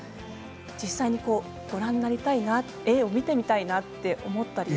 実際にご覧になりたいな絵を見てみたいなと思ったり。